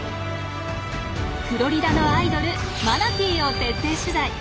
フロリダのアイドルマナティーを徹底取材。